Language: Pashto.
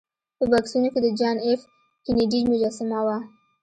په بکسونو کې د جان ایف کینیډي مجسمه وه